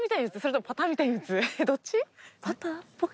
どっち？